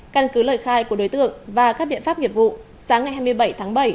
căn cứ lời khai của đối tượng và các biện pháp nghiệp vụ sáng ngày hai mươi bảy tháng bảy